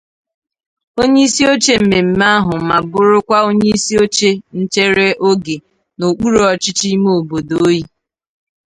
onyeisioche mmemme ahụ ma bụrụkwa onyeisioche nchere oge n'okpuru ọchịchị ime obodo Oyi